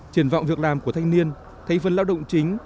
triển vọng việc làm của thanh niên thay phân lao động chính